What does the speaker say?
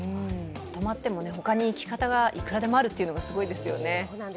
止まっても他に行き方がいくらでもあるというのがすごいですよね。